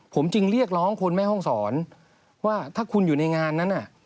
ผมจึงเรียกร้องคนแม่ห้องสอนว่าถ้าคุณอยู่ในงานนั้น